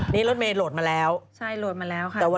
นี่รถเมย์โหลดมาแล้วใช่โหลดมาแล้วค่ะ